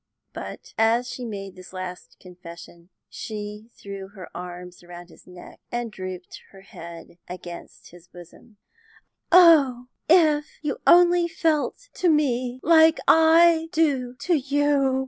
But, as she made this last confession, she threw her arms about his neck and drooped her head against his bosom. "Oh, if you only felt to me like I do to you!"